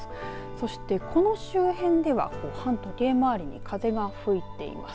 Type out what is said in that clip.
そしてこの周辺では反時計回りに風が吹いています。